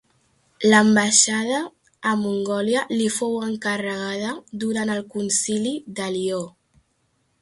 L'ambaixada a Mongòlia li fou encarregada durant el Concili de Lió.